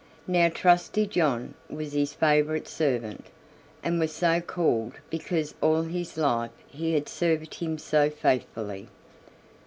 Now Trusty John was his favorite servant, and was so called because all his life he had served him so faithfully.